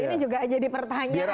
ini juga jadi pertanyaan